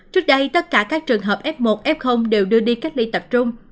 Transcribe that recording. trước đây tất cả các trường hợp f một f đều đưa đi cách ly tập trung